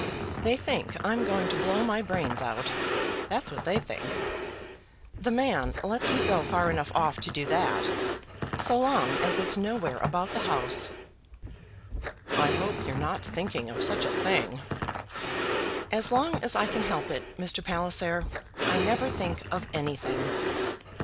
They think I'm going to blow my brains out. That's what they think. The man lets me go far enough off to do that, so long as it's nowhere about the house." "I hope you're not thinking of such a thing?" "As long as I can help it, Mr. Palliser, I never think of anything."